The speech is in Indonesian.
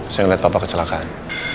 saya ngeliat papa kecelakaan